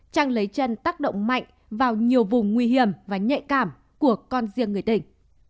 trang lấy chân tác động mạnh vào nhiều vùng nguy hiểm và nhạy cảm của con riêng người đỉnh